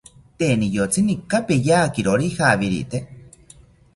Tee niyotzi ninka peyakirori ijawirite